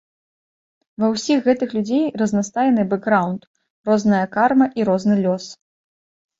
Ва ўсіх гэтых людзей разнастайны бэкграўнд, розная карма і розны лёс.